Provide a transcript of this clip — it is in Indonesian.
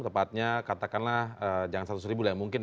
tepatnya katakanlah jangan seratus ribu lah mungkin